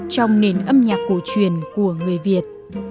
trong nền âm nhạc cổ truyền của việt nam